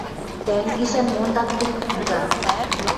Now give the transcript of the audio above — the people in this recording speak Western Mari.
Тӓнг гишӓн мондат гӹнь, худа.